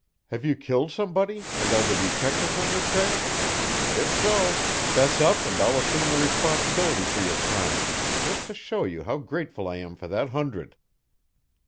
Have you killed somebody, and are the detectives on your trail? If so, 'fess up and I'll assume the responsibility for your crime, just to show you how grateful I am for that hundred."